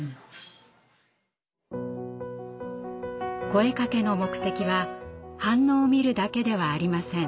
声かけの目的は反応を見るだけではありません。